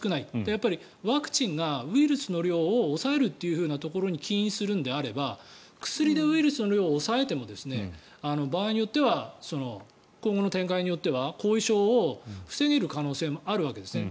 やっぱりワクチンがウイルスの量を抑えるというところに起因するのであれば薬でウイルスの量を抑えても場合によっては今後の展開によっては後遺症を防げる可能性もあるわけですね。